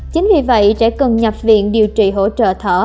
chính vì vậy trẻ cần nhập viện điều trị hỗ trợ thở